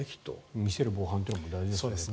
見せる防犯というのも大事ですよね。